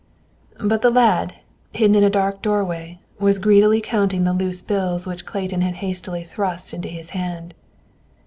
But the lad, hidden in a dark doorway, was greedily counting the loose bills which Clayton had hastily thrust into his hand.